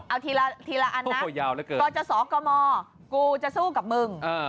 เอาทีลาอันนั้นนะกอจอสอกอมอกูจะสู้กับมึง